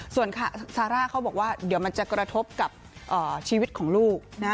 ส่วนซาร่าเขาบอกว่าเดี๋ยวมันจะกระทบกับชีวิตของลูกนะ